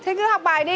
thế cứ học bài đi